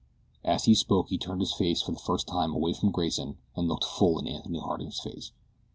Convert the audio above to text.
As he spoke he turned his eyes for the first time away from Grayson and looked full in Anthony Harding's face.